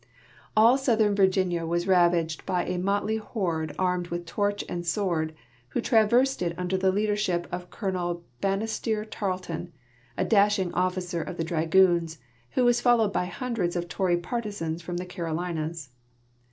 All southern Virginia was ravaged by a motley horde armed with torch and sword, who traversed it under the leadership of Colonel Banastre Tarleton, a dashing officer of dragoons, who was followed by hundreds of tory partisans from the Carolinas.